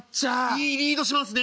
「いいリードしますね」。